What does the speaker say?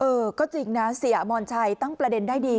เออก็จริงนะเสียอมรชัยตั้งประเด็นได้ดี